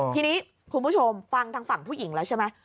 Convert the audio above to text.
ทีนี้คุณผู้ชมฟังทางฝั่งผู้หญิงแล้วใช่ไหม